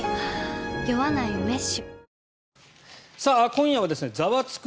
今夜は「ザワつく！